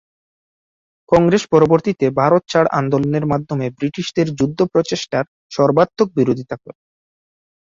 কংগ্রেস পরবর্তীতে ভারত ছাড় আন্দোলনের মাধ্যমে ব্রিটিশদের যুদ্ধ প্রচেষ্টার সর্বাত্মক বিরোধিতা করে।